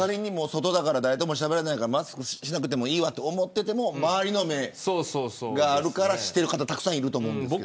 外で誰ともしゃべらないからマスクしなくていいと思っていても周りの目があるからしてる方たくさんいると思いますけど。